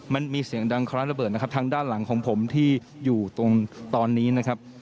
มันมีเสียงดังคล้ายระเบิดนะครับทางด้านหลังของผมที่อยู่ตรงตอนนี้นะครับ